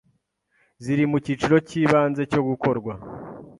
ziri mu cyiciro cy'ibanze cyo gukorwa,